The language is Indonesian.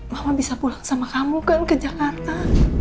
mama bisa pulang sama kamu kan ke jakarta